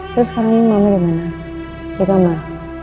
terus sekarang ibu mama dimana di kamar